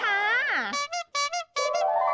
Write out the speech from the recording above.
ไปเลยไปพายาว